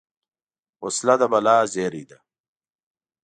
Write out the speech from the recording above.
وسله د بلا زېری ده